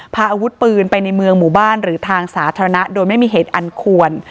พาอาวุธปืนไปในเมืองหมู่บ้านหรือทางสาธารณะโดยไม่มีเหตุอันควร